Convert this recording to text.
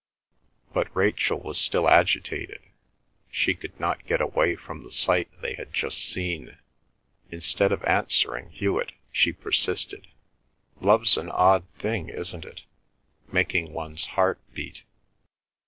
But Rachel was still agitated; she could not get away from the sight they had just seen. Instead of answering Hewet she persisted. "Love's an odd thing, isn't it, making one's heart beat."